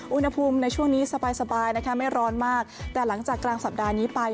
อุณหภูมิในช่วงนี้สบายสบายนะคะไม่ร้อนมากแต่หลังจากกลางสัปดาห์นี้ไป